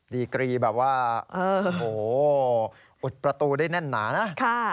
ดีกรีแบบว่าโอ้โหอุดประตูได้แน่นหนานะ